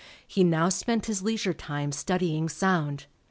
He now spent his leisure studying sound.